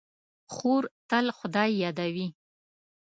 خور تل خدای یادوي.